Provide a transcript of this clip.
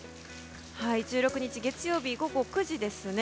１６日月曜日、午後９時ですね。